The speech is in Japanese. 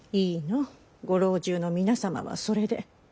ご老中の皆様はそれで。